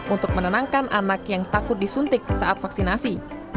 untuk menenangkan anak yang takut disuntik saat vaksinasi